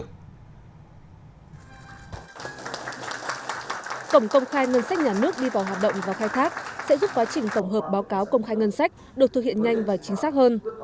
cổng công khai ngân sách nhà nước đi vào hoạt động và khai thác sẽ giúp quá trình tổng hợp báo cáo công khai ngân sách được thực hiện nhanh và chính xác hơn